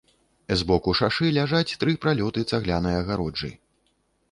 З боку шашы ляжаць тры пралёты цаглянай агароджы.